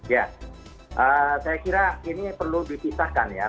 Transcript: ya saya kira ini perlu dipisahkan ya